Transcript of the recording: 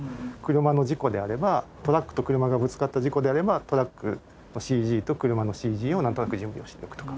車の事故であればトラックと車がぶつかった事故であればトラックのＣＧと車のＣＧをなんとなく準備をしておくとか。